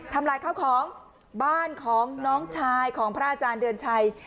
ลายข้าวของบ้านของน้องชายของพระอาจารย์เดือนชัย